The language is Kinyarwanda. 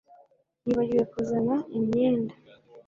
Yibagiwe kuzana imyenda